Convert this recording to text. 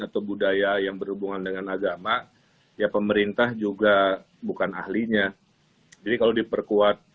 atau budaya yang berhubungan dengan agama ya pemerintah juga bukan ahlinya jadi kalau diperkuat